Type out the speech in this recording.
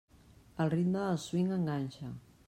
El ritme del swing enganxa.